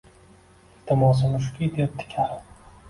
Iltimosim shuki, debdi kal